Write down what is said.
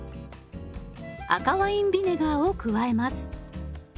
赤ワインビネガーを加えます。